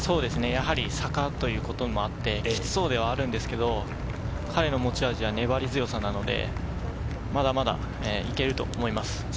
やはり坂ということもありキツそうではあるんですけど、彼の持ち味は粘り強さなので、まだまだいけると思います。